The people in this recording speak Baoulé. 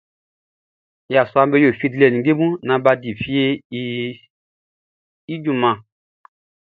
Yasuaʼm be yo fie dilɛ ninnge mun naan bʼa di fieʼn i junman.